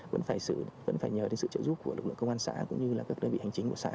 vẫn phải nhờ sự trợ giúp của lực lượng công an xã cũng như là các đơn vị hành chính của xã